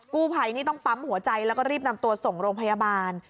กู้ภัยนี่ต้องปั๊มหัวใจแล้วก็รีบนำตัวส่งโรงพยาบาล